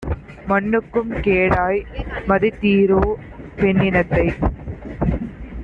மண்ணுக்கும் கேடாய் மதித்தீரோ பெண்ணினத்தை?